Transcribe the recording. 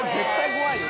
怖いよ。